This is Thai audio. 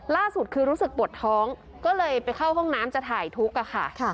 ล่าสุดคือรู้สึกปวดท้องก็เลยไปเข้าห้องน้ำจะถ่ายทุกข์ค่ะ